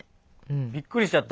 びっくりしちゃった。